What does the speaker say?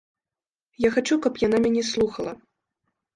Я хачу, каб яна мяне слухала.